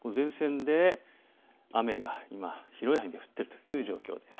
前線で雨が今広い範囲で降っているという状況です。